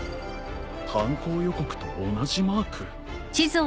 犯行予告と同じマーク？